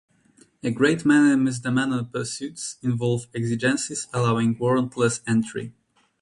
A great many misdemeanor pursuits involve exigencies allowing warrantless entry.